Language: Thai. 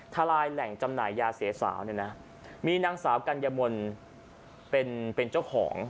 ทลายแหล่งจำหน่ายยาเสียสาวเนี่ยนะมีนางสาวกัญญมลเป็นเจ้าของ